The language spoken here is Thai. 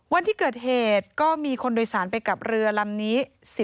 วันที่เกิดเหตุก็มีคนโดยสารไปกับเรือลำนี้